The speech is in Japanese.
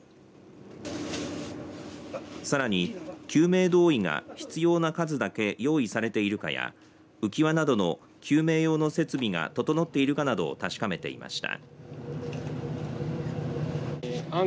さらに救命胴衣が必要な数だけ用意されているかや浮き輪などの救命用の設備が整っているかなどを確かめていました。